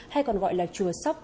hay còn gọi là chùa sóc